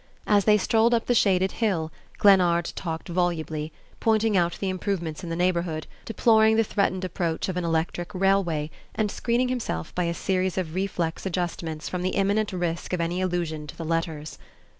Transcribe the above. As they strolled up the shaded hill, Glennard talked volubly, pointing out the improvements in the neighborhood, deploring the threatened approach of an electric railway, and screening himself by a series of reflex adjustments from the imminent risk of any allusion to the "Letters."